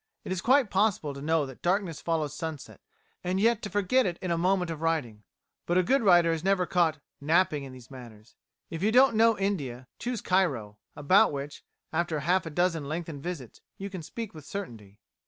It is quite possible to know that darkness follows sunset, and yet to forget it in the moment of writing; but a good writer is never caught "napping" in these matters. If you don't know India, choose Cairo, about which, after half a dozen lengthened visits, you can speak with certainty.